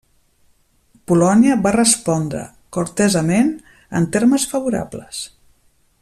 Polònia va respondre cortesament en termes favorables.